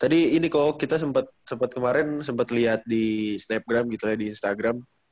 tadi ini kok kita sempet kemarin sempet liat di snapgram gitu ya di instagram